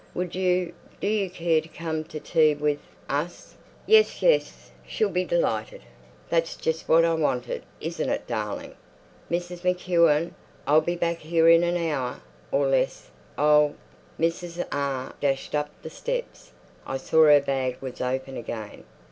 "Would you—do you care to come to tea with—us?" "Yes, yes, she'll be delighted. That's just what I wanted, isn't it, darling? Mrs. MacEwen... I'll be back here in an hour... or less... I'll—" Mrs. R. dashed up the steps. I saw her bag was open again.